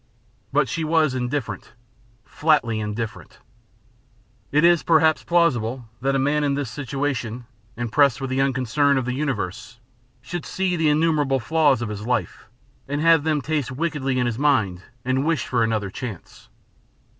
But she was indifferent, flatly indifferent. It is, perhaps, plausible that a man in this situation, impressed with the unconcern of the universe, should see the innumerable flaws of his life, and have them taste wickedly in his mind and wish for another chance.